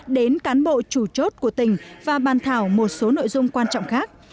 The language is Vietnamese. đến cán bộ chủ chốt của tình và ban thảo một số nội dung quan trọng khác